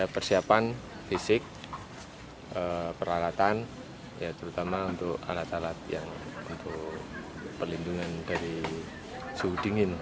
persiapan fisik peralatan ya terutama untuk alat alat yang untuk perlindungan dari suhu dingin